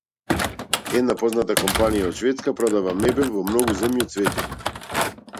Една позната компанија од Шведска продава мебел во многу земји од светот.